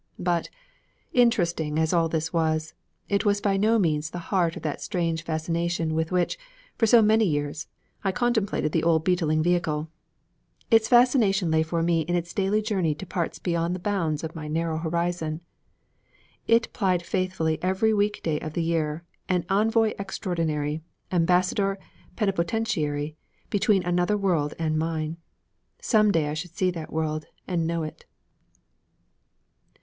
But, interesting as all this was, it was by no means the heart of that strange fascination with which, for so many years, I contemplated the old beetling vehicle. Its fascination lay for me in its daily journey to parts beyond the bounds of my narrow horizon. It plied faithfully every week day of the year, an envoy extraordinary, ambassador plenipotentiary, between another world and mine. Some day I should see that world and know it.